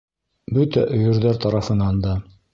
Бөтә өйөрҙәр тарафынан да.